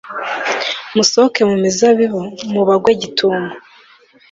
musohoke mu mizabibu mubagwe gitumo